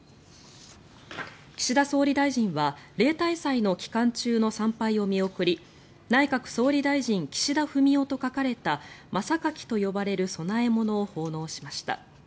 岸田総理大臣は例大祭の期間中の参拝を見送り「内閣総理大臣岸田文雄」と書かれた真榊と呼ばれる供え物を奉納しました。